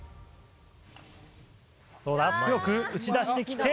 強く打ち出して来て。